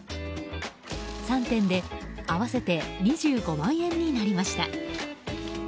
３点で合わせて２５万円になりました。